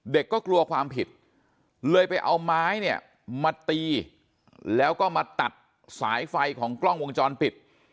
ก็กลัวความผิดเลยไปเอาไม้เนี่ยมาตีแล้วก็มาตัดสายไฟของกล้องวงจรปิด